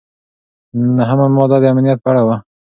نهمه ماده د امنیت په اړه وه.